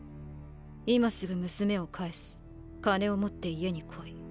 「今すぐ娘を返す金を持って家に来い」